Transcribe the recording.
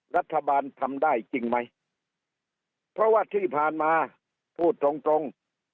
รัฐบาลทำได้จริงไหมเพราะว่าที่ผ่านมาพูดตรงตรง